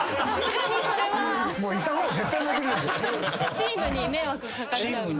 チームに迷惑が掛かっちゃうんで。